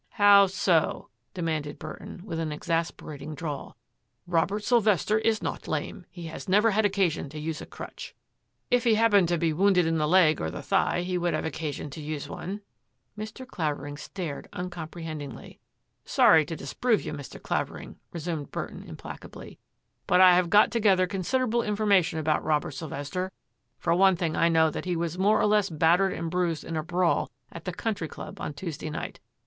"How so?" demanded Burton, with an exas perating drawl. " Robert Sylvester is not lame. He has never had occasion to use a crutch." " If he happened to be wounded in the leg or the thigh he would have occasion to use one." Mr. Clavering stared uncomprehendingly. " Sorry to disprove you, Mr. Clavering," re sumed Burton implacably, " but I have got to gether considerable information about Robert Sylvester. For one thing I know that he was more or less battered and bruised in a brawl at the Country Club on Tuesday night.